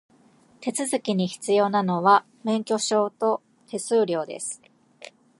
手続きに必要なのは、免許証と手数料です。